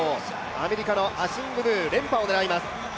アメリカのアシング・ムー、連覇を狙います。